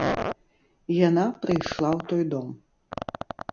Яна прыйшла ў той дом.